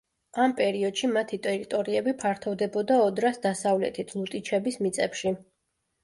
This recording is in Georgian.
ამ პერიოდში მათი ტერიტორიები ფართოვდებოდა ოდრას დასავლეთით ლუტიჩების მიწებში.